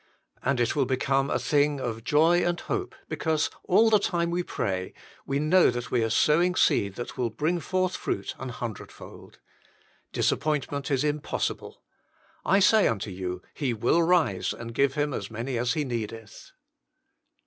And it will become a thing of joy and hope, because, all the time we pray, we know that we are sowing seed that will bring forth fruit an hundredfold. Disappointment is impossible :" I say unto you, He will rise and give him as many as he needeth."